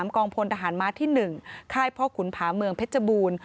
กองพลทหารม้าที่๑ค่ายพ่อขุนผาเมืองเพชรบูรณ์